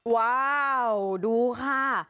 ว้าวดูค่ะ